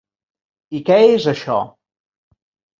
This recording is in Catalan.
I què és això?